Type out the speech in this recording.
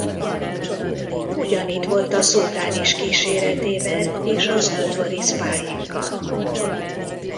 Ugyanitt volt a szultán is kíséretével és az udvari szpáhikkal.